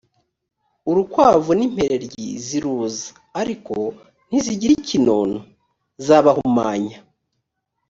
urukwavu n’impereryi, ziruza ariko ntizigira ikinono; zabahumanya.